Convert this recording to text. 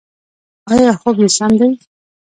ایا خوب یې سم دی؟